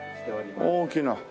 大きな。